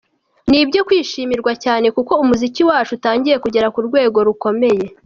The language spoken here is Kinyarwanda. Ni ibyo kwishimirwa cyane kuko umuziki wacu utangiye kugera ku rwego rukomeye.